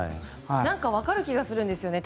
何か分かる気がするんですよね。